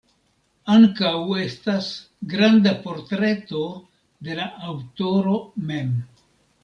Ankaŭ estas granda portreto de la aŭtoro mem.